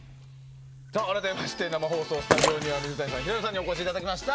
改めまして、生放送スタジオには水谷さん、平野さんにお越しいただきました。